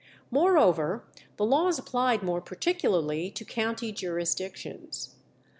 Moreover, the laws applied more particularly to county jurisdictions.